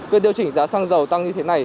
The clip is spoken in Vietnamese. việc điều chỉnh giá xăng dầu tăng như thế này